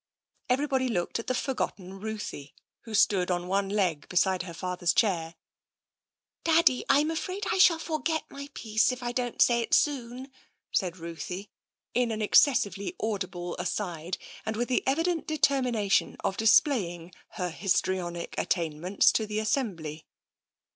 Everybody looked at the forgotten Ruthie, who stood on one leg beside her father's chair. " Daddy, I'm afraid I shall forget my piece, if I don't say it soon," said Ruthie in an excessively au dible aside, and with the evident determination of dis playing her histrionic attainments to the assembly.